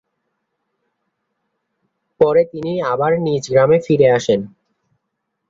পরে তিনি আবার নিজ গ্রামে ফিরে আসেন।